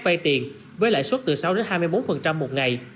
vay tiền với lãi suất từ sáu hai mươi bốn một ngày